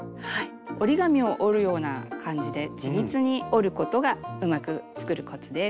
折り紙を折るような感じで緻密に折ることがうまく作るコツです。